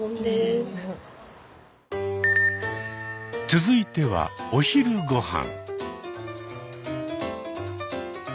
続いてはお昼ご飯。